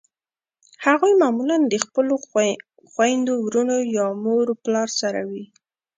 هغوی معمولأ د خپلو خویندو ورونو یا مور پلار سره وي.